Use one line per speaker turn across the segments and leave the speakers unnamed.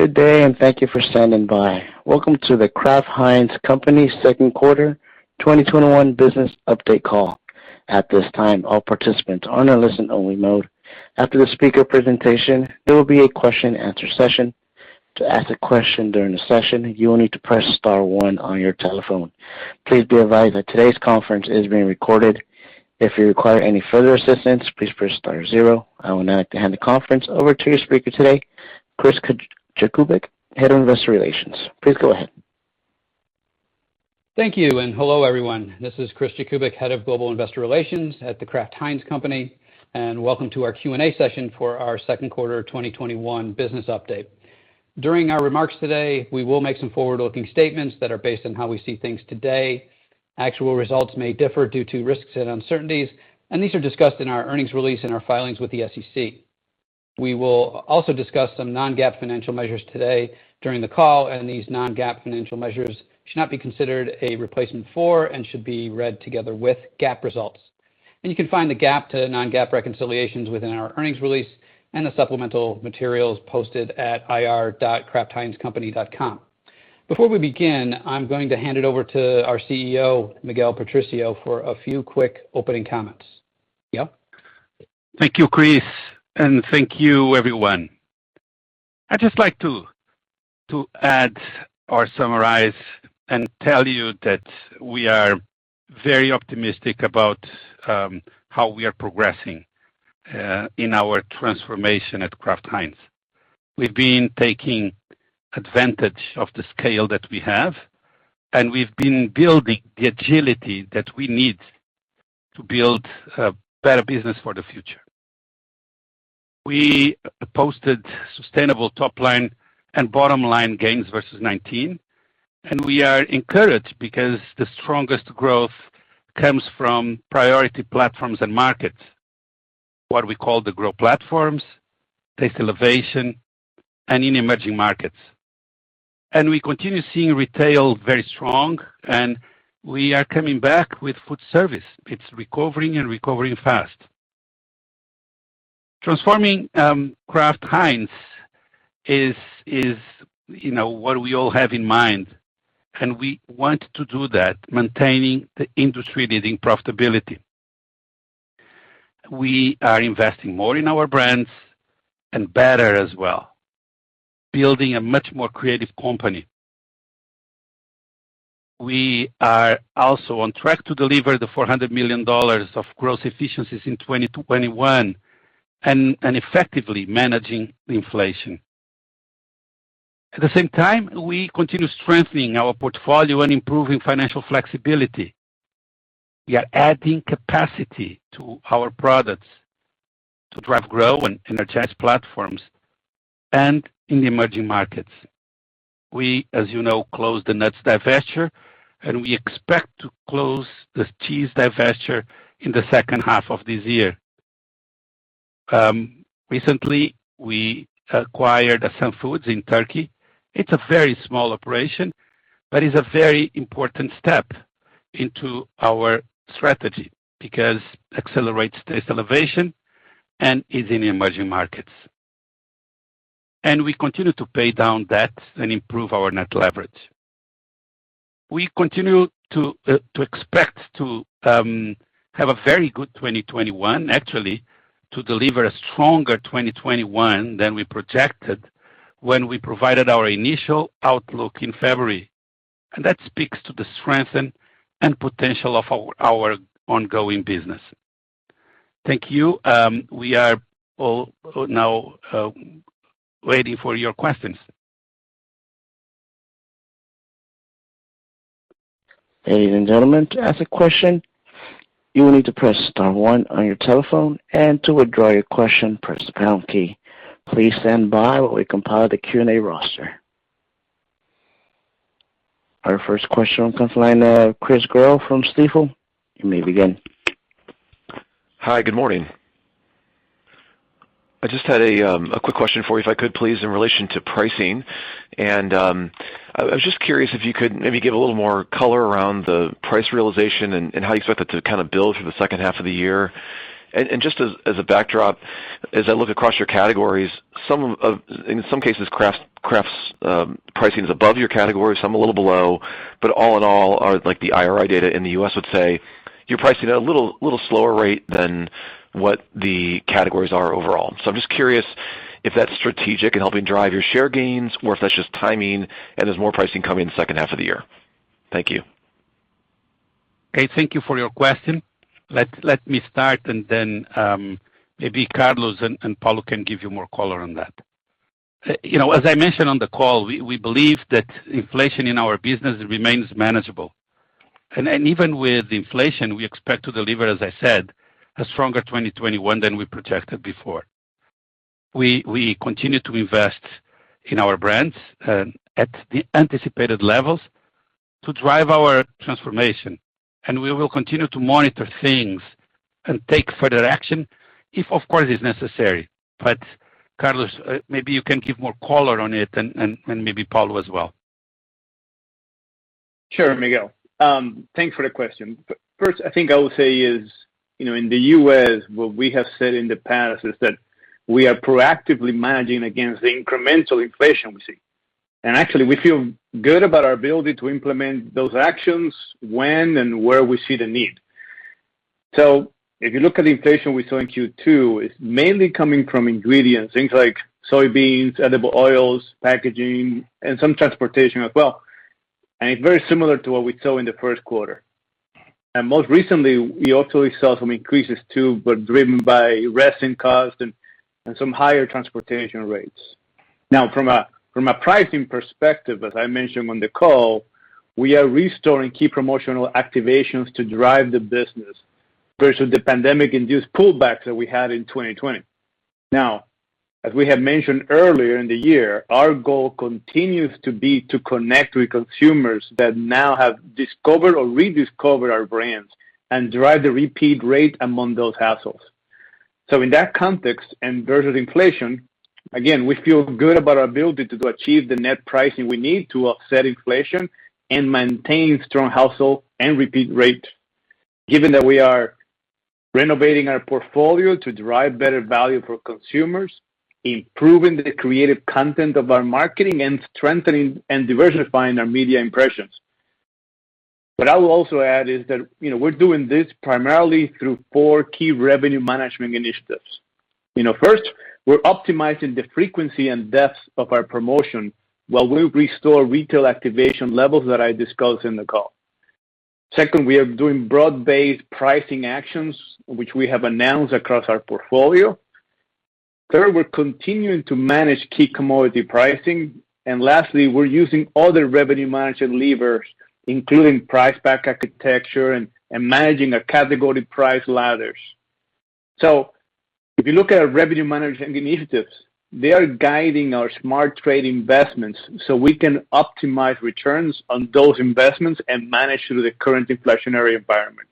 Good day, and thank you for standing by. Welcome to The Kraft Heinz Company Second Quarter 2021 business update call. At this time, all participants are in a listen only mode. After the speaker presentation, there will be a question and answer session. To ask a question during the session, you will need to press star one on your telephone. Please be advised that today's conference is being recorded. If you require any further assistance, please press star zero. I would like to hand the conference over to your speaker today, Christopher Jakubik, Head of Investor Relations. Please go ahead.
Thank you, and hello, everyone. This is Christopher Jakubik, Head of Global Investor Relations at The Kraft Heinz Company, and welcome to our Q&A session for our second quarter 2021 business update. During our remarks today, we will make some forward-looking statements that are based on how we see things today. Actual results may differ due to risks and uncertainties. These are discussed in our earnings release and our filings with the SEC. We will also discuss some non-GAAP financial measures today during the call. These non-GAAP financial measures should not be considered a replacement for and should be read together with GAAP results. You can find the GAAP to non-GAAP reconciliations within our earnings release and the supplemental materials posted at ir.kraftheinzcompany.com. Before we begin, I'm going to hand it over to our CEO, Miguel Patricio, for a few quick opening comments. Miguel?
Thank you, Chris, and thank you, everyone. I'd just like to add or summarize and tell you that we are very optimistic about how we are progressing in our transformation at Kraft Heinz. We've been taking advantage of the scale that we have, and we've been building the agility that we need to build a better business for the future. We posted sustainable top line and bottom line gains versus 2019, and we are encouraged because the strongest growth comes from priority platforms and markets, what we call the growth platforms, Taste Elevation, and in emerging markets. We continue seeing retail very strong, and we are coming back with food service. It's recovering and recovering fast. Transforming Kraft Heinz is what we all have in mind, and we want to do that, maintaining the industry-leading profitability. We are investing more in our brands, and better as well, building a much more creative company. We are also on track to deliver the $400 million of growth efficiencies in 2021 and effectively managing inflation. At the same time, we continue strengthening our portfolio and improving financial flexibility. We are adding capacity to our products to drive growth in our trade platforms and in the emerging markets. We, as you know, closed the nuts divestiture, and we expect to close the cheese divestiture in the second half of this year. Recently, we acquired Assan Foods in Turkey. It's a very small operation, but it's a very important step into our strategy because it accelerates Taste Elevation and is in the emerging markets. We continue to pay down debt and improve our net leverage. We continue to expect to have a very good 2021, actually, to deliver a stronger 2021 than we projected when we provided our initial outlook in February. That speaks to the strength and potential of our ongoing business. Thank you. We are all now waiting for your questions.
Ladies and gentlemen, to ask a question, you will need to press star one on your telephone, and to withdraw your question, press the pound key. Please stand by while we compile the Q&A roster. Our first question comes from the line of Chris Growe from Stifel. You may begin.
Hi, good morning. I just had a quick question for you, if I could please, in relation to pricing. I was just curious if you could maybe give a little more color around the price realization and how you expect it to kind of build for the second half of the year. Just as a backdrop, as I look across your categories, in some cases, Kraft's pricing is above your category, some a little below, but all in all, like the IRI data in the U.S. would say you're pricing at a little slower rate than what the categories are overall. I'm just curious if that's strategic in helping drive your share gains, or if that's just timing and there's more pricing coming in the second half of the year. Thank you.
Okay. Thank you for your question. Let me start and then maybe Carlos and Paulo can give you more color on that. As I mentioned on the call, we believe that inflation in our business remains manageable. Even with inflation, we expect to deliver, as I said, a stronger 2021 than we projected before. We continue to invest in our brands at the anticipated levels to drive our transformation. We will continue to monitor things and take further action if, of course, it's necessary. Carlos, maybe you can give more color on it and maybe Paulo as well.
Sure, Miguel. Thanks for the question. First, I think I would say is, in the U.S., what we have said in the past is that we are proactively managing against the incremental inflation we see. Actually, we feel good about our ability to implement those actions when and where we see the need. If you look at the inflation we saw in Q2, it's mainly coming from ingredients, things like soybeans, edible oils, packaging, and some transportation as well. It's very similar to what we saw in the first quarter. Most recently, we also saw some increases too, but driven by rising costs and some higher transportation rates. Now, from a pricing perspective, as I mentioned on the call, we are restoring key promotional activations to drive the business versus the pandemic-induced pullbacks that we had in 2020. As we had mentioned earlier in the year, our goal continues to be to connect with consumers that now have discovered or rediscovered our brands and drive the repeat rate among those households. In that context and versus inflation, again, we feel good about our ability to achieve the net pricing we need to offset inflation and maintain strong household and repeat rate, given that we are renovating our portfolio to drive better value for consumers, improving the creative content of our marketing, and strengthening and diversifying our media impressions. What I will also add is that we're doing this primarily through four key revenue management initiatives. First, we're optimizing the frequency and depth of our promotion while we restore retail activation levels that I discussed in the call. Second, we are doing broad-based pricing actions, which we have announced across our portfolio. Third, we're continuing to manage key commodity pricing. Lastly, we're using other revenue management levers, including price pack architecture and managing our category price ladders. If you look at our revenue management initiatives, they are guiding our smart trade investments so we can optimize returns on those investments and manage through the current inflationary environment.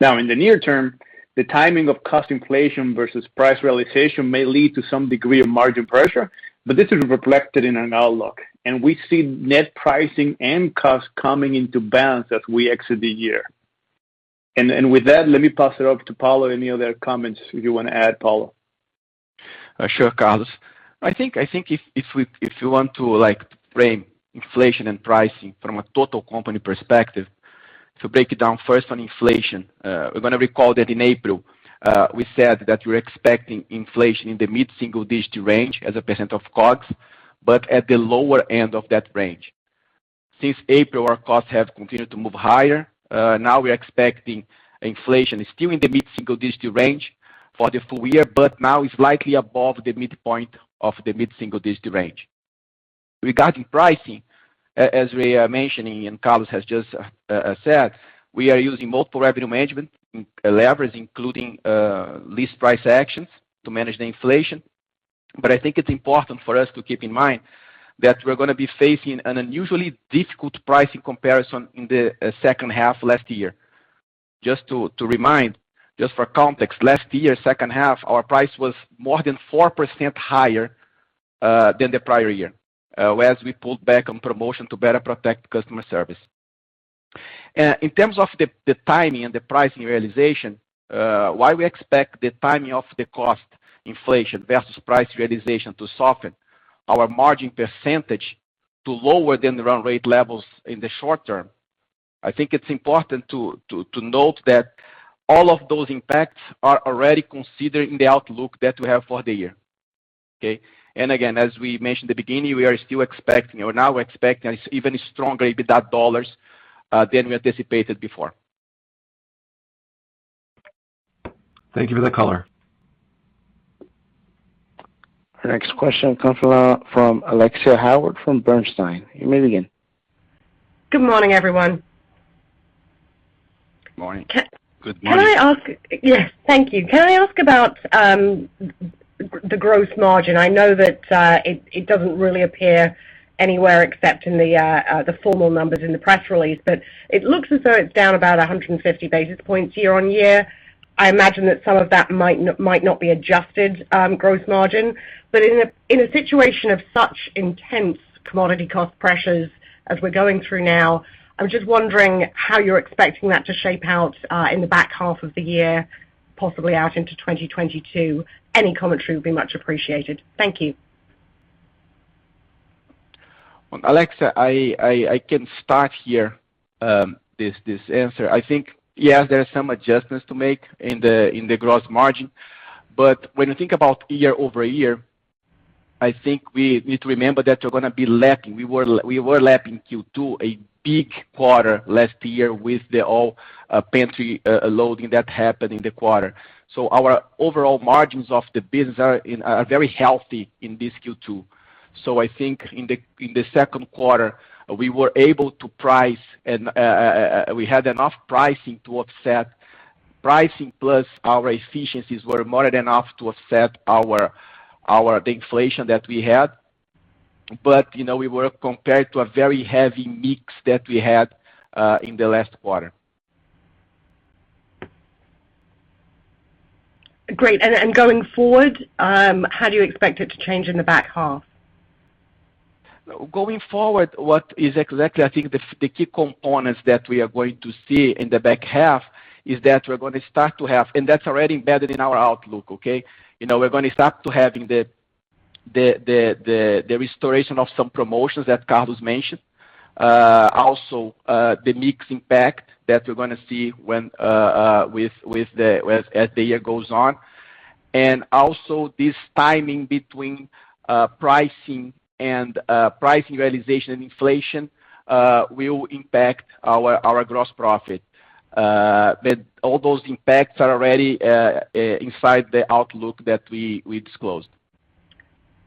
In the near term, the timing of cost inflation versus price realization may lead to some degree of margin pressure, but this is reflected in our outlook. We see net pricing and cost coming into balance as we exit the year. With that, let me pass it over to Paulo. Any other comments you want to add, Paulo?
Sure, Carlos. I think if you want to frame inflation and pricing from a total company perspective, to break it down first on inflation, we're going to recall that in April, we said that we're expecting inflation in the mid-single-digit range as a % of COGS, but at the lower end of that range. Since April, our costs have continued to move higher. We're expecting inflation still in the mid-single-digit range for the full year, but now it's likely above the midpoint of the mid-single-digit range. Regarding pricing, as we are mentioning and Carlos has just said, we are using multiple revenue management levers, including list price actions to manage the inflation. I think it's important for us to keep in mind that we're going to be facing an unusually difficult pricing comparison in the second half last year. Just to remind, just for context, last year, second half, our price was more than 4% higher than the prior year as we pulled back on promotion to better protect customer service. In terms of the timing and the pricing realization, why we expect the timing of the cost inflation versus price realization to soften our margin percentage to lower than the run rate levels in the short term. I think it's important to note that all of those impacts are already considered in the outlook that we have for the year. Okay. Again, as we mentioned at the beginning, we are now expecting even stronger EBITDA dollars than we anticipated before.
Thank you for the color.
The next question comes from Alexia Howard from Bernstein. You may begin.
Good morning, everyone.
Good morning.
Good morning.
Yes. Thank you. Can I ask about the gross margin? I know that it doesn't really appear anywhere except in the formal numbers in the press release, but it looks as though it's down about 150 basis points year-on-year. I imagine that some of that might not be adjusted gross margin. In a situation of such intense commodity cost pressures as we're going through now, I'm just wondering how you're expecting that to shape out in the back half of the year, possibly out into 2022. Any commentary would be much appreciated. Thank you.
Alexia, I can start here this answer. I think, yes, there are some adjustments to make in the gross margin. When you think about year-over-year, I think we need to remember that we're going to be lapping. We were lapping Q2, a big quarter last year with all pantry loading that happened in the quarter. Our overall margins of the business are very healthy in this Q2. I think in the second quarter, we were able to price and we had enough pricing to offset Pricing plus our efficiencies were more than enough to offset the inflation that we had. We were compared to a very heavy mix that we had in the last quarter.
Great. Going forward, how do you expect it to change in the back half?
Going forward, what is exactly, I think, the key components that we are going to see in the back half is that we're going to start to have, and that's already embedded in our outlook, okay? We're going to start to have the restoration of some promotions that Carlos mentioned. Also, the mixing pack that we're going to see as the year goes on. Also, this timing between pricing and pricing realization and inflation will impact our gross profit. All those impacts are already inside the outlook that we disclosed.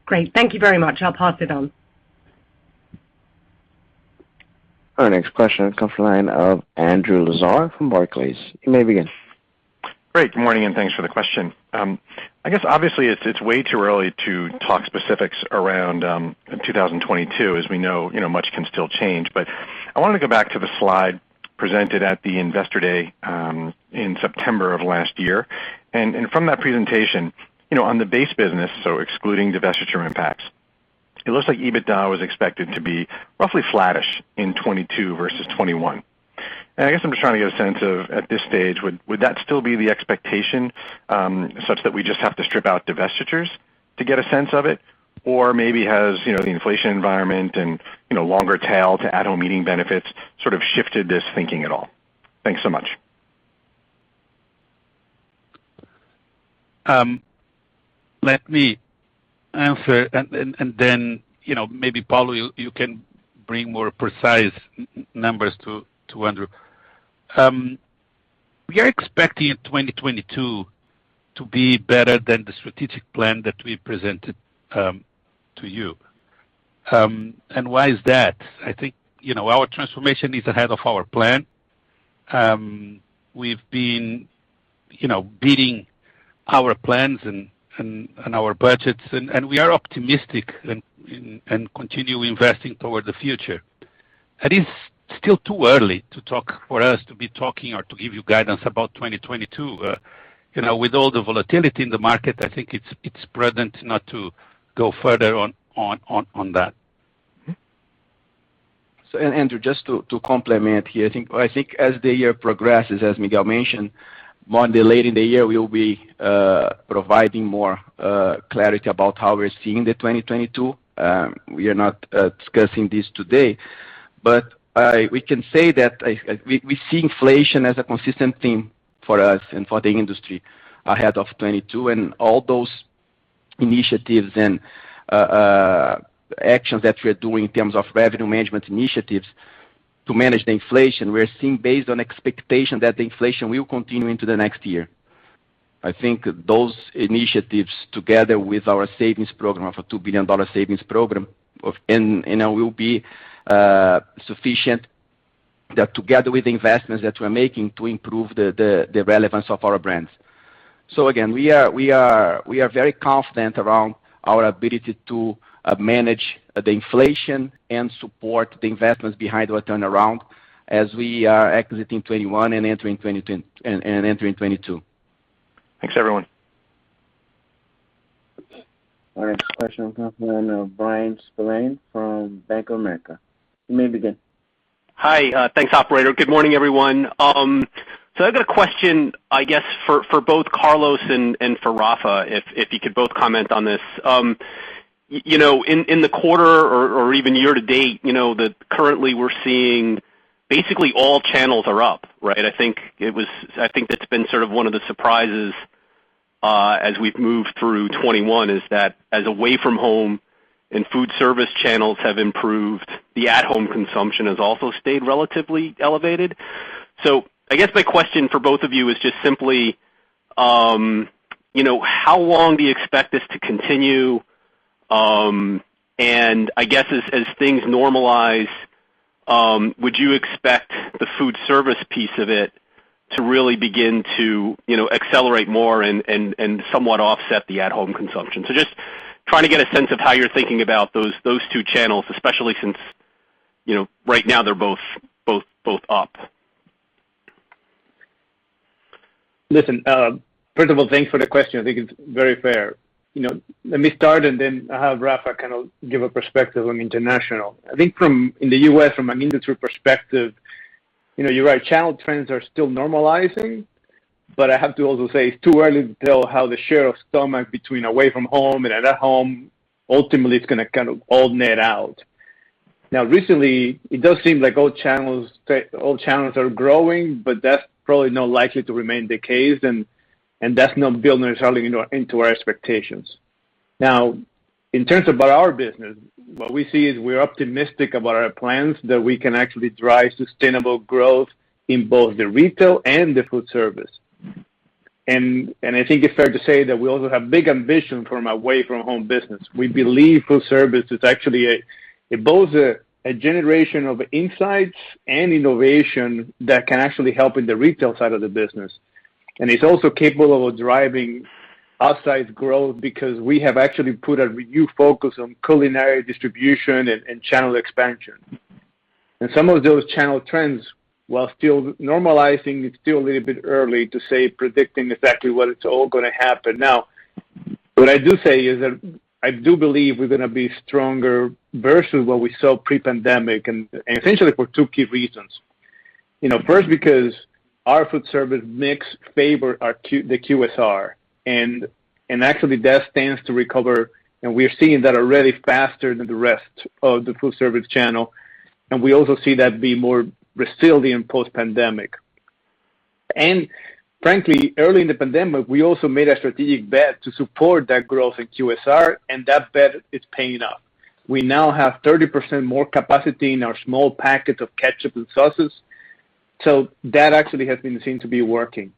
Great. Thank you very much. I'll pass it on.
Our next question comes from the line of Andrew Lazar from Barclays. You may begin.
Great, good morning. Thanks for the question. I guess obviously, it's way too early to talk specifics around 2022, as we know much can still change. I wanted to go back to the slide presented at the Investor Day in September of last year. From that presentation, on the base business, so excluding divestiture impacts, it looks like EBITDA was expected to be roughly flattish in 2022 versus 2021. I guess I'm just trying to get a sense of, at this stage, would that still be the expectation, such that we just have to strip out divestitures to get a sense of it? Maybe has the inflation environment and longer tail to at-home eating benefits sort of shifted this thinking at all? Thanks so much.
Let me answer, and then maybe Paulo, you can bring more precise numbers to Andrew. We are expecting 2022 to be better than the strategic plan that we presented to you. Why is that? I think our transformation is ahead of our plan. We've been beating our plans and our budgets, and we are optimistic and continue investing toward the future. It is still too early for us to be talking or to give you guidance about 2022. With all the volatility in the market, I think it's prudent not to go further on that.
Andrew, just to complement here. I think as the year progresses, as Miguel mentioned, more in the later in the year, we will be providing more clarity about how we're seeing 2022. We are not discussing this today. We can say that we see inflation as a consistent theme for us and for the industry ahead of 2022 and all those initiatives and actions that we're doing in terms of revenue management initiatives to manage the inflation. We're seeing based on expectation that the inflation will continue into the next year. I think those initiatives, together with our savings program of a $2 billion savings program, will be sufficient that together with the investments that we're making to improve the relevance of our brands. Again, we are very confident around our ability to manage the inflation and support the investments behind our turnaround as we are exiting 2021 and entering 2022.
Thanks, everyone.
Our next question comes from the line of Bryan Spillane from Bank of America. You may begin.
Hi. Thanks, operator. Good morning, everyone. I've got a question, I guess, for both Carlos and for Rafa, if you could both comment on this. In the quarter or even year to date, currently we're seeing basically all channels are up, right? I think that's been sort of one of the surprises as we've moved through 2021 is that as away from home and food service channels have improved, the at-home consumption has also stayed relatively elevated. I guess my question for both of you is just simply, how long do you expect this to continue? I guess as things normalize, would you expect the food service piece of it to really begin to accelerate more and somewhat offset the at-home consumption? Just trying to get a sense of how you're thinking about those two channels, especially since right now they're both up.
Listen, first of all, thanks for the question. I think it's very fair. Let me start. Then I'll have Rafa kind of give a perspective on international. I think in the U.S., from an industry perspective, you're right, channel trends are still normalizing. I have to also say, it's too early to tell how the share of stomach between away from home and at home ultimately is going to kind of all net out. Now recently, it does seem like all channels are growing, but that's probably not likely to remain the case. That's not built necessarily into our expectations. Now, in terms about our business, what we see is we're optimistic about our plans that we can actually drive sustainable growth in both the retail and the food service. I think it's fair to say that we also have big ambition from our away from home business. We believe food service is actually both a generation of insights and innovation that can actually help in the retail side of the business. It's also capable of driving outsized growth because we have actually put a renewed focus on culinary distribution and channel expansion. Some of those channel trends, while still normalizing, it's still a little bit early to say predicting exactly what it's all going to happen. What I do say is that I do believe we're going to be stronger versus what we saw pre-pandemic, and essentially for 2 key reasons. First, because our food service mix favor the QSR, and actually that stands to recover, and we are seeing that already faster than the rest of the food service channel, and we also see that being more resilient post-pandemic. Frankly, early in the pandemic, we also made a strategic bet to support that growth in QSR, and that bet is paying off. We now have 30% more capacity in our small packets of ketchup and sauces. That actually has been seen to be working.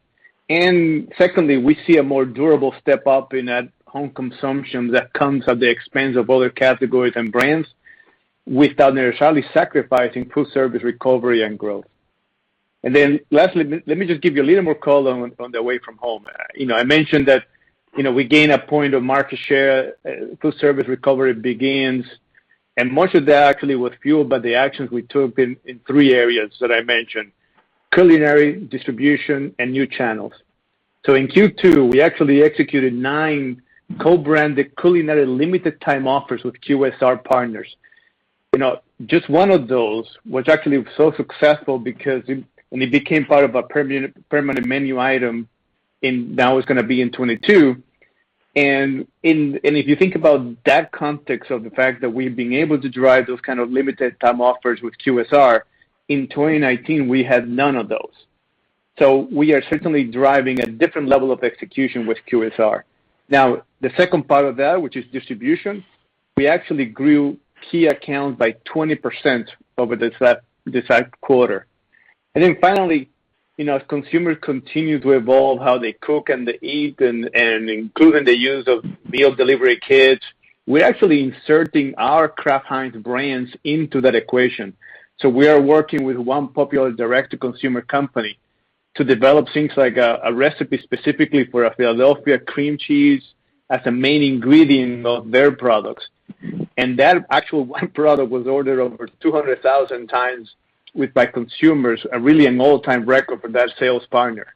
Secondly, we see a more durable step up in that home consumption that comes at the expense of other categories and brands without necessarily sacrificing food service recovery and growth. Lastly, let me just give you a little more color on the away from home. I mentioned that we gain a point of market share, food service recovery begins, and much of that actually was fueled by the actions we took in 3 areas that I mentioned, culinary, distribution, and new channels. In Q2, we actually executed 9 co-branded culinary limited time offers with QSR partners. Just 1 of those was actually so successful because it became part of a permanent menu item, and now it's going to be in 2022. If you think about that context of the fact that we've been able to drive those kind of limited time offers with QSR, in 2019, we had none of those. We are certainly driving a different level of execution with QSR. The second part of that, which is distribution, we actually grew key accounts by 20% over this quarter. Finally, as consumers continue to evolve how they cook and they eat, and including the use of meal delivery kits, we're actually inserting our Kraft Heinz brands into that equation. We are working with one popular direct-to-consumer company to develop things like a recipe specifically for a Philadelphia Cream Cheese as a main ingredient of their products. That actual one product was ordered over 200,000 times by consumers, really an all-time record for that sales partner.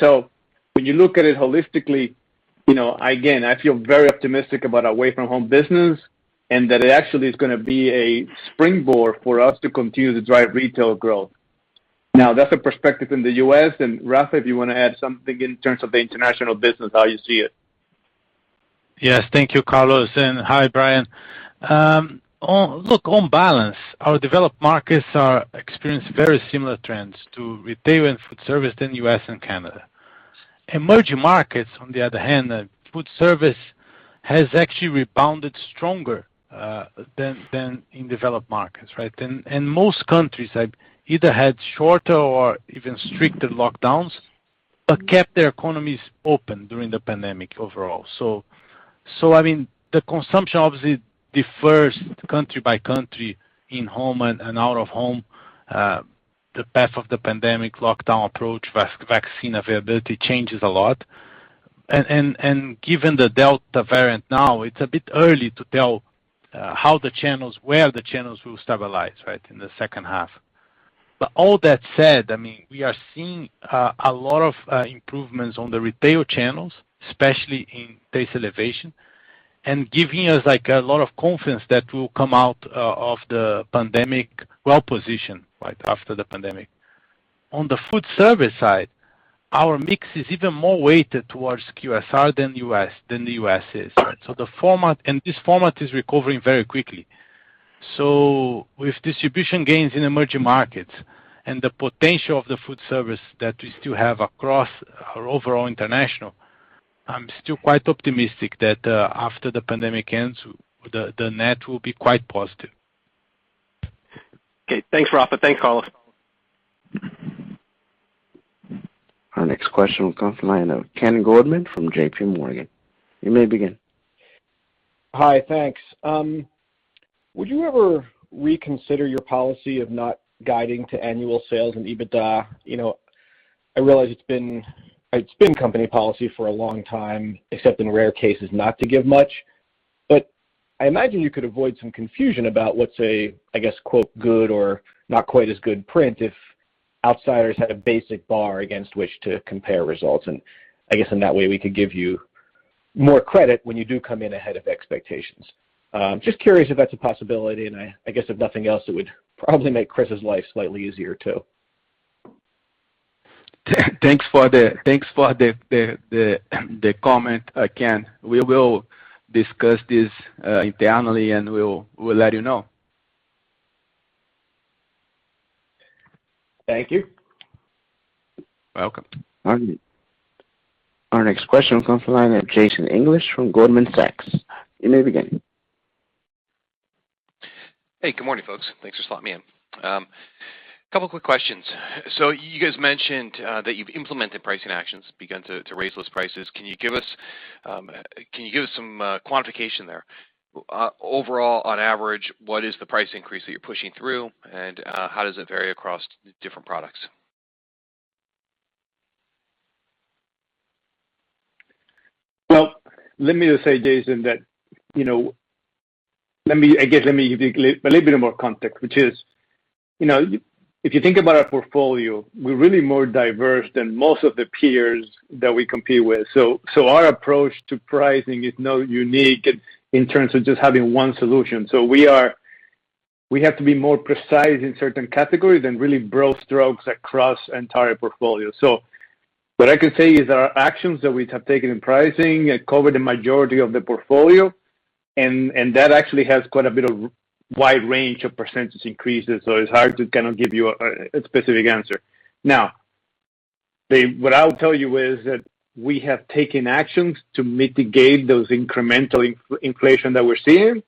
When you look at it holistically, again, I feel very optimistic about our away from home business, and that it actually is going to be a springboard for us to continue to drive retail growth. That's a perspective in the U.S., and Rafa, if you want to add something in terms of the international business, how you see it.
Yes. Thank you, Carlos, and hi, Bryan. Look, on balance, our developed markets are experienced very similar trends to retail and food service in U.S. and Canada. Emerging markets, on the other hand, food service has actually rebounded stronger than in developed markets, right? Most countries have either had shorter or even stricter lockdowns, but kept their economies open during the pandemic overall. The consumption obviously differs country by country, in home and out of home. The path of the pandemic, lockdown approach, vaccine availability changes a lot. Given the Delta variant now, it's a bit early to tell how the channels, where the channels will stabilize in the second half. All that said, we are seeing a lot of improvements on the retail channels, especially in Taste Elevation, and giving us a lot of confidence that we'll come out of the pandemic well-positioned after the pandemic. On the food service side, our mix is even more weighted towards QSR than the U.S. is. This format is recovering very quickly. With distribution gains in emerging markets and the potential of the food service that we still have across our overall international, I'm still quite optimistic that after the pandemic ends, the net will be quite positive.
Okay. Thanks, Rafa. Thanks, Carlos.
Our next question will come from the line of Ken Goldman from JP Morgan. You may begin.
Hi, thanks. Would you ever reconsider your policy of not guiding to annual sales and EBITDA? I realize it's been company policy for a long time, except in rare cases, not to give much, but I imagine you could avoid some confusion about what's a, I guess, quote, good or not quite as good print if outsiders had a basic bar against which to compare results. I guess in that way, we could give you more credit when you do come in ahead of expectations. Just curious if that's a possibility, and I guess if nothing else, it would probably make Chris's life slightly easier, too.
Thanks for the comment, Ken. We will discuss this internally, and we'll let you know.
Thank you.
Welcome.
Our next question comes from the line of Jason English from Goldman Sachs. You may begin.
Hey, good morning, folks. Thanks for slotting me in. Couple quick questions. You guys mentioned that you've implemented pricing actions, begun to raise those prices. Can you give us some quantification there? Overall, on average, what is the price increase that you're pushing through, and how does it vary across different products?
Let me just say, Jason, that let me give you a little bit more context, which is if you think about our portfolio, we're really more diverse than most of the peers that we compete with. Our approach to pricing is not unique in terms of just having one solution. We have to be more precise in certain categories than really broad strokes across the entire portfolio. What I can say is that our actions that we have taken in pricing cover the majority of the portfolio, and that actually has quite a bit of wide range of percentage increases, so it's hard to kind of give you a specific answer. What I will tell you is that we have taken actions to mitigate those incremental inflation that we're seeing,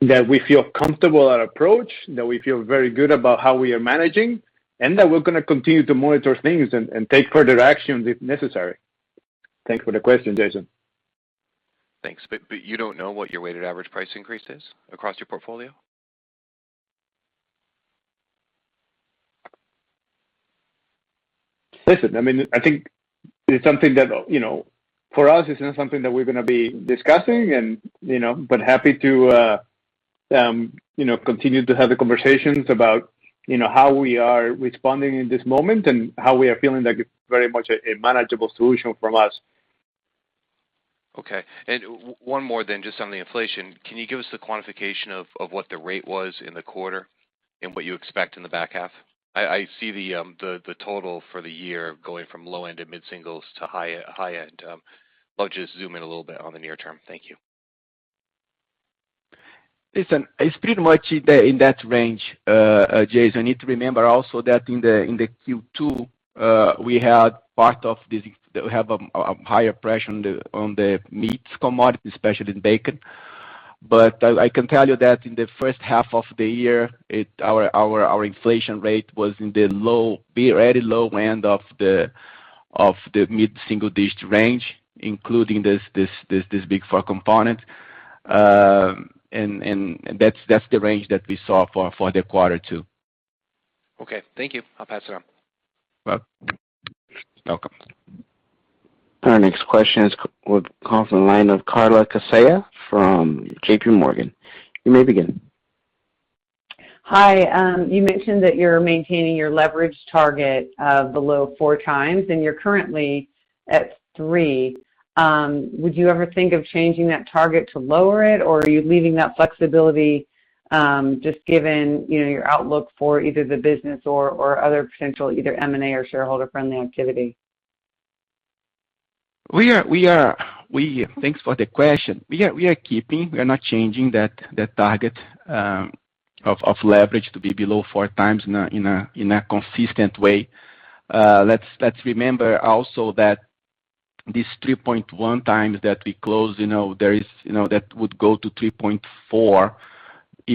that we feel comfortable with our approach, that we feel very good about how we are managing, and that we're going to continue to monitor things and take further actions if necessary. Thanks for the question, Jason.
Thanks. You don't know what your weighted average price increase is across your portfolio?
Listen, I think it's something that, for us, it's not something that we're going to be discussing, but happy to continue to have the conversations about how we are responding in this moment and how we are feeling that it's very much a manageable solution from us.
Okay. One more then, just on the inflation. Can you give us the quantification of what the rate was in the quarter and what you expect in the back half? I see the total for the year going from low end to mid-singles to high end. I'll just zoom in a little bit on the near term. Thank you. Listen, it's pretty much in that range, Jason. You need to remember also that in the Q2, we had a higher pressure on the meats commodity, especially in bacon. I can tell you that in the first half of the year, our inflation rate was in the very low end of the mid-single-digit range, including this big pork component. That's the range that we saw for the quarter two. Okay. Thank you. I'll pass it on.
You're welcome.
Welcome.
Our next question is with call from the line of Carla Casella from JP Morgan. You may begin.
Hi. You mentioned that you're maintaining your leverage target of below 4x, and you're currently at 3x. Would you ever think of changing that target to lower it, or are you leaving that flexibility just given your outlook for either the business or other potential, either M&A or shareholder-friendly activity?
Thanks for the question. We are not changing that target of leverage to be below 4x in a consistent way. Let's remember also that this 3.1x that we closed, that would go to 3.4x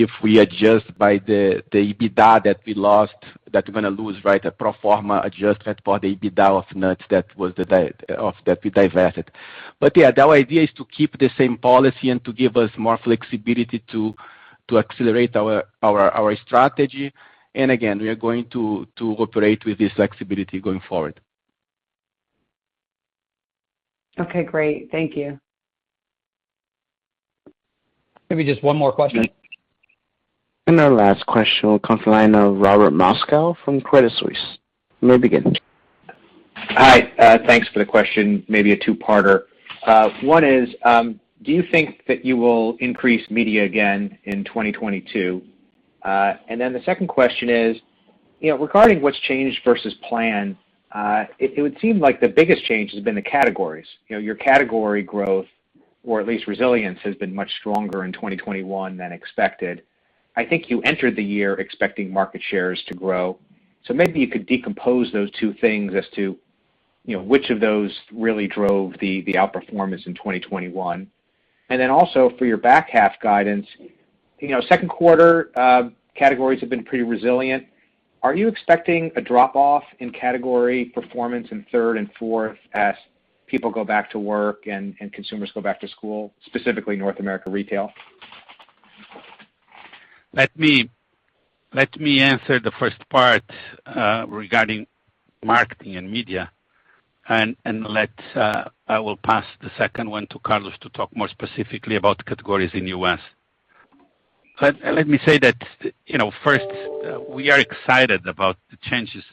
if we adjust by the EBITDA that we lost, that we're going to lose, right? A pro forma adjustment for the EBITDA of nuts that we divested. Yeah, the idea is to keep the same policy and to give us more flexibility to accelerate our strategy. Again, we are going to operate with this flexibility going forward.
Okay, great. Thank you.
Maybe just one more question.
Our last question will come from the line of Robert Moskow from Credit Suisse. You may begin.
Hi. Thanks for the question. Maybe a two-parter. One is, do you think that you will increase media again in 2022? The second question is, regarding what's changed versus plan, it would seem like the biggest change has been the categories. Your category growth, or at least resilience, has been much stronger in 2021 than expected. I think you entered the year expecting market shares to grow. Maybe you could decompose those two things as to which of those really drove the outperformance in 2021. Also for your back half guidance, second quarter categories have been pretty resilient. Are you expecting a drop-off in category performance in third and fourth as people go back to work and consumers go back to school, specifically North America retail?
Let me answer the first part regarding marketing and media. I will pass the second one to Carlos to talk more specifically about categories in the U.S. Let me say that first, we are excited about the changes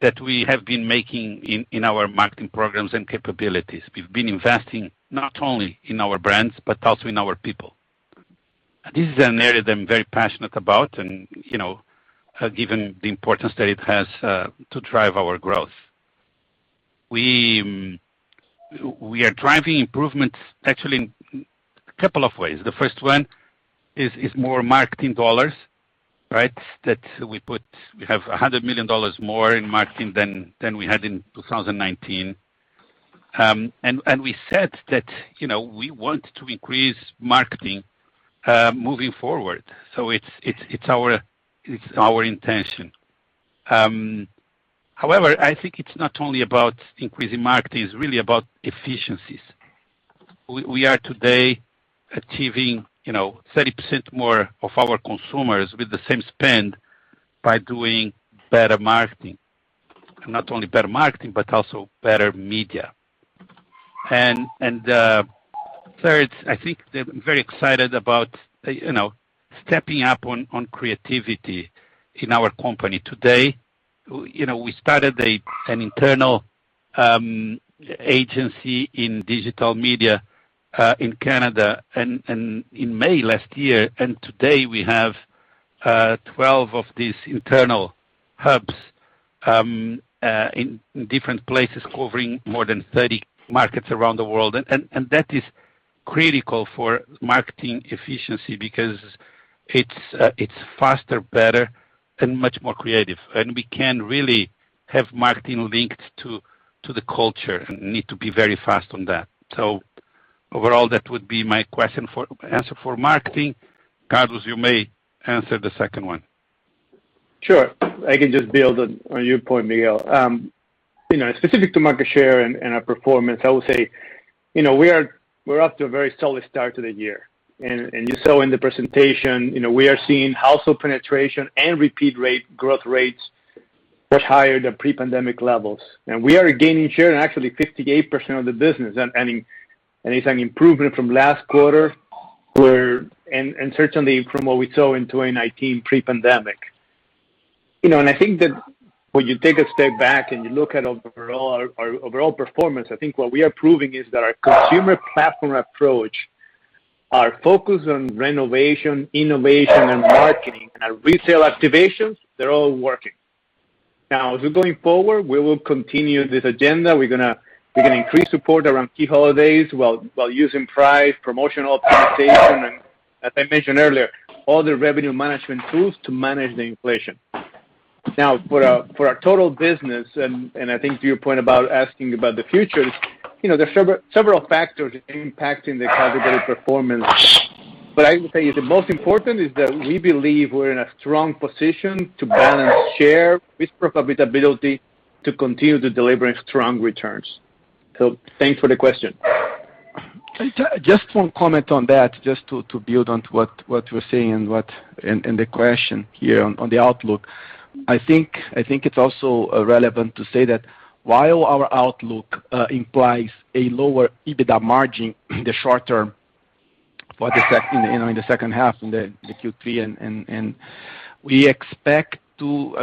that we have been making in our marketing programs and capabilities. We’ve been investing not only in our brands, but also in our people. This is an area that I’m very passionate about, given the importance that it has to drive our growth. We are driving improvements actually in a couple of ways. The first one is more marketing dollars, right? That we have $100 million more in marketing than we had in 2019. We said that we want to increase marketing moving forward. It’s our intention. However, I think it’s not only about increasing marketing. It’s really about efficiencies. We are today achieving 30% more of our consumers with the same spend by doing better marketing.
Not only better marketing, but also better media. Third, I think they're very excited about stepping up on creativity in our company today. We started an internal agency in digital media in Canada in May last year, and today we have 12 of these internal hubs in different places, covering more than 30 markets around the world. That is critical for marketing efficiency because it's faster, better, and much more creative. We can really have marketing linked to the culture and need to be very fast on that. Overall, that would be my answer for marketing. Carlos, you may answer the second one.
Sure. I can just build on your point, Miguel. Specific to market share and our performance, I would say we're off to a very solid start to the year, and you saw in the presentation, we are seeing household penetration and repeat rate growth rates much higher than pre-pandemic levels. We are gaining share in actually 58% of the business, and it's an improvement from last quarter, and certainly from what we saw in 2019 pre-pandemic. I think that when you take a step back and you look at our overall performance, I think what we are proving is that our consumer platform approach, our focus on renovation, innovation, and marketing, and our retail activations, they're all working. Now, as we're going forward, we will continue this agenda. We're going to increase support around key holidays while using price, promotional optimization, and as I mentioned earlier, all the revenue management tools to manage the inflation. Now, for our total business, and I think to your point about asking about the future, there are several factors impacting the category performance. I would say the most important is that we believe we're in a strong position to balance share with profitability to continue to deliver strong returns. Thanks for the question.
Just one comment on that, just to build on to what you're saying and the question here on the outlook. I think it's also relevant to say that while our outlook implies a lower EBITDA margin in the short term in the second half, in the Q3.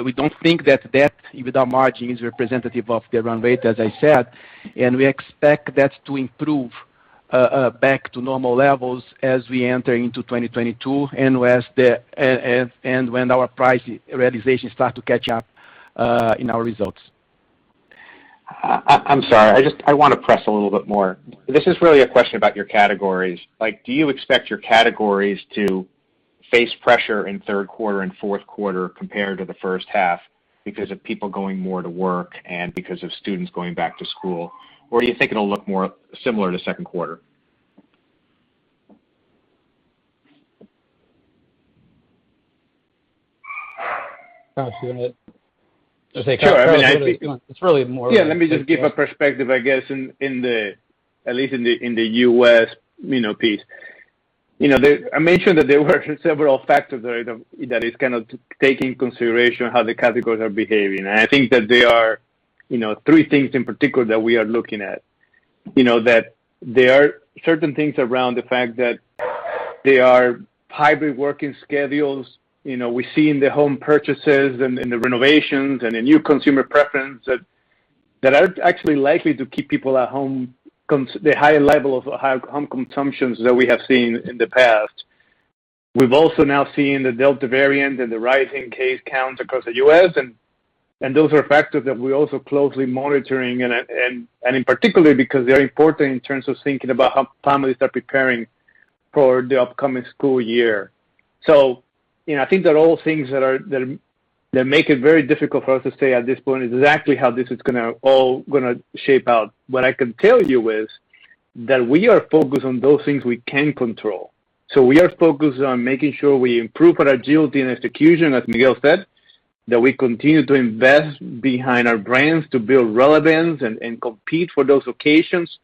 We don't think that that EBITDA margin is representative of the run rate, as I said. We expect that to improve back to normal levels as we enter into 2022, when our price realization start to catch up in our results.
I'm sorry. I want to press a little bit more. This is really a question about your categories. Do you expect your categories to face pressure in third quarter and fourth quarter compared to the first half because of people going more to work and because of students going back to school? Do you think it'll look more similar to second quarter?
Carlos, do you want to.
Sure. I mean. It's really more, Yeah, let me just give a perspective, I guess, at least in the U.S. piece. I mentioned that there were several factors that is kind of take into consideration how the categories are behaving. I think that there are three things in particular that we are looking at. That there are certain things around the fact that there are hybrid working schedules. We see in the home purchases and in the renovations, and the new consumer preference that are actually likely to keep people at home, the high level of home consumptions that we have seen in the past. We've also now seen the Delta variant and the rise in case counts across the U.S., and those are factors that we're also closely monitoring, and in particular, because they're important in terms of thinking about how families are preparing for the upcoming school year. I think they're all things that make it very difficult for us to say at this point exactly how this is all going to shape out. What I can tell you is that we are focused on those things we can control. We are focused on making sure we improve our agility and execution, as Miguel said, that we continue to invest behind our brands to build relevance and compete for those occasions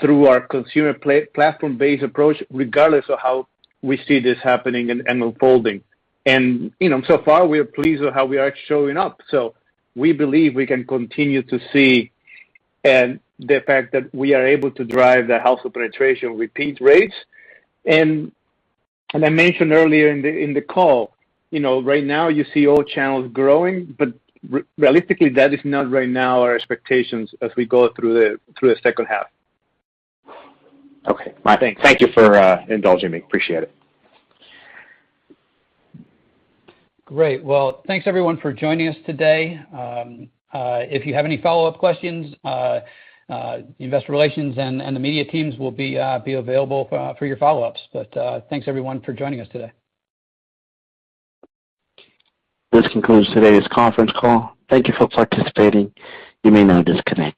through our consumer platform-based approach, regardless of how we see this happening and unfolding. So far, we are pleased with how we are showing up. We believe we can continue to see the fact that we are able to drive the household penetration repeat rates. I mentioned earlier in the call, right now you see all channels growing, but realistically, that is not right now our expectations as we go through the second half.
Okay. Thanks. Thank you for indulging me. Appreciate it.
Great. Well, Thanks everyone for joining us today. If you have any follow-up questions, investor relations and the media teams will be available for your follow-ups. Thanks everyone for joining us today.
This concludes today's conference call. Thank you for participating. You may now disconnect.